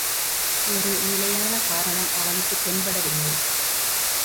ஒரு நிலையான காரணம் அவனுக்குத் தென்படவில்லை.